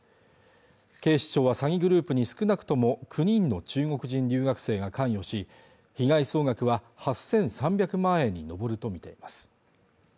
警視庁は詐欺グループに少なくとも９人の中国人留学生が関与し被害総額は８３００万円に上るとみています